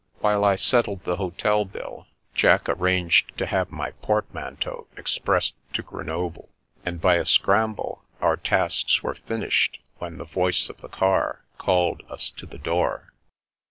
While I settled the hotel bill. Jack arranged to have my portmanteau expressed to Grenoble, and by a scramble our tasks were finished when the voice of the car called us to the door.